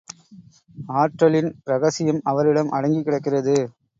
ஆற்றலின் இரகசியம் அவரிடம் அடங்கிக்கிடக்கிறது.